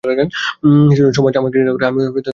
সেজন্যে সমাজ আমাকে ঘৃণা করে, আমিও তার থেকে দূরে থাকি।